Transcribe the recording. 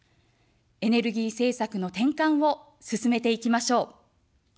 エネルギー政策の転換を進めていきましょう。